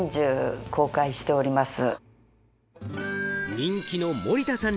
人気の森田さん